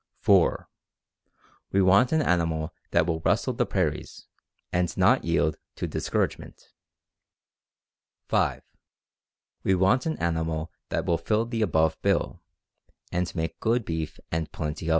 "(4) We want an animal that will rustle the prairies, and not yield to discouragement. "(5) We want an animal that will fill the above bill, and make good beef and plenty of it.